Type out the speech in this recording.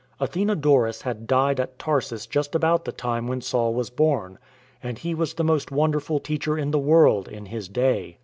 Athenodorus had died at Tarsus just about the time when Saul was born, and he was the most wonderful teacher in the world in his day.